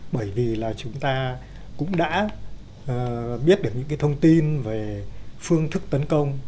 bởi vì là chúng ta cũng đã biết được những cái thông tin về phương thức tấn công